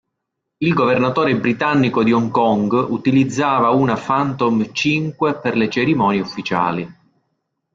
Il Governatore britannico di Hong Kong utilizzava una "Phantom V" per le cerimonie ufficiali.